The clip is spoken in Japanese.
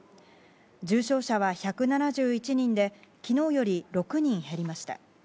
重症者は１７１人で昨日より６人減りました。